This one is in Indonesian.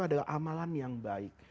adalah amalan yang baik